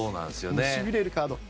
しびれるカード。